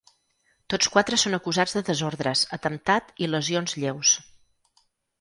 Tots quatre són acusats de desordres, atemptat i lesions lleus.